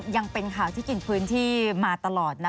ยังเป็นข่าวที่กินพื้นที่มาตลอดนะ